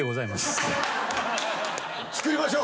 作りましょう。